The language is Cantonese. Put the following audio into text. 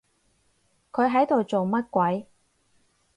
佢喺度做乜鬼？